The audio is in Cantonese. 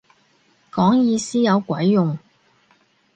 講意思有鬼用